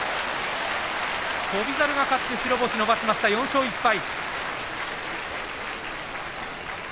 翔猿が勝って白星伸ばしました４勝１敗。